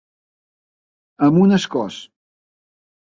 Amunt els cors!